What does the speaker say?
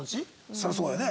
そりゃそうよね。